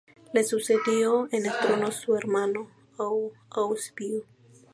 Le sucedió en el trono su hermano Oswiu.